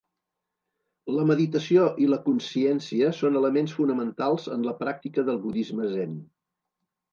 La meditació i la consciència són elements fonamentals en la pràctica del budisme zen.